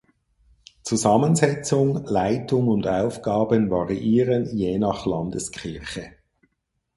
Zusammensetzung, Leitung und Aufgaben variieren je nach Landeskirche.